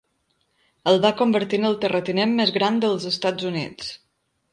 El va convertir en el terratinent més gran dels Estats Units.